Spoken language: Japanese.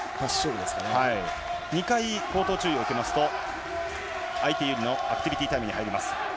２回、口頭注意を受けますと、相手のアクティビティタイムに入ります。